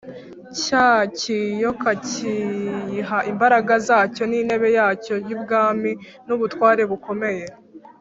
Cya kiyoka kiyiha imbaraga zacyo n’intebe yacyo y’ubwami, n’ubutware bukomeye.